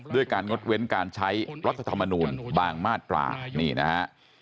ด้วยการงดเว้นการใช้รัฐธรรมนูลบางมาตรานี่นะฮะ